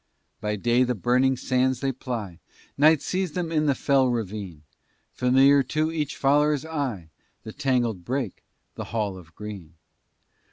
By day the burning sands they ply, Night sees them in the fell ravine; Familiar to each follower's eye, The tangled brake, the hall of green.